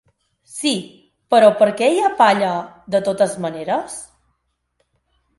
Sí, però per què hi ha palla, de totes maneres?